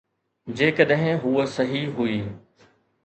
جيڪڏهن هوء صحيح هئي.